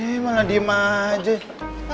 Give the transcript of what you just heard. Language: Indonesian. ih malah diem aja